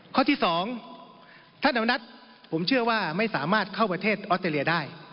ข้อที่๒ท่านอวนัทผมเชื่อว่าไม่สามารถเข้าประเทศออสเตรเลียได้